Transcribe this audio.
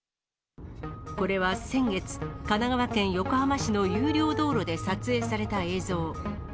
これは先月、神奈川県横浜市の有料道路で撮影された映像。